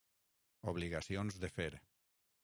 Obligacions de fer.